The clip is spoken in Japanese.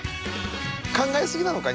考えすぎなのか？